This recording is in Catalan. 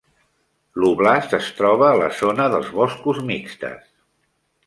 L'óblast es troba a la zona dels boscos mixtes.